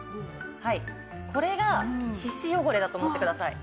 これが皮脂汚れだと思ってください。